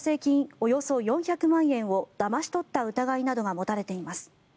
およそ４００万円をだまし取った疑いなどが持たれています。